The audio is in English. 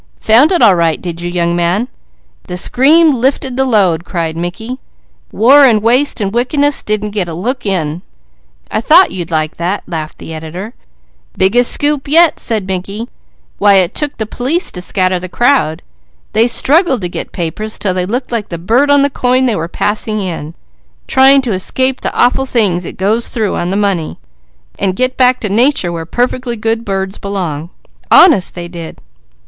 "Found it all right, did you, young man?" "The scream lifted the load!" cried Mickey. "War, and waste, and wickedness, didn't get a look in." "I thought you'd like that!" laughed the editor. "Biggest scoop yet!" said Mickey. "Why it took the police to scatter the crowd. They struggled to get papers, 'til they looked like the bird on the coin they were passing in, trying to escape the awful things it goes through on the money, and get back to nature where perfectly good birds belong. Honest, they did!"